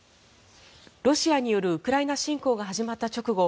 ロシアによるウクライナ侵攻が始まった直後